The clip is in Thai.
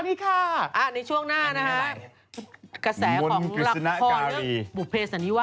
เหมือนส่งหนังสือไประหุ่นหลังผู้ใหญ่